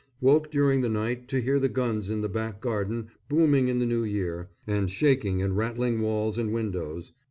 Woke during the night to hear the guns in the back garden booming in the New Year, and shaking and rattling walls and windows.